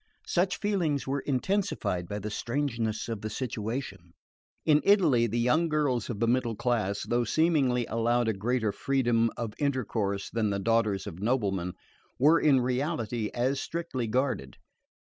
Such feelings were intensified by the strangeness of the situation. In Italy the young girls of the middle class, though seemingly allowed a greater freedom of intercourse than the daughters of noblemen, were in reality as strictly guarded.